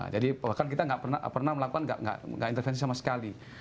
jadi bahkan kita tidak pernah melakukan intervensi sama sekali